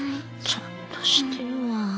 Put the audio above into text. ちゃんとしてるわ。